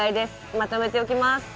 まとめておきます